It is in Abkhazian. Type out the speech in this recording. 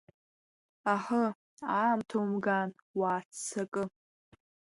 Аҳы, аамҭа умган, уааццакы!